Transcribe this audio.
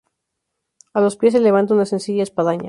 A los pies se levanta una sencilla espadaña.